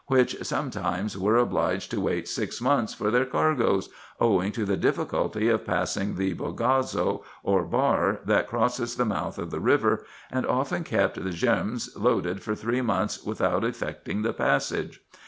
which sometimes were obliged to wait six months for their cargoes, owing to the difficulty of passing the bogazo, or bar, that crosses the mouth of the river, and often kept the djerms loaded for three months without effecting the passage.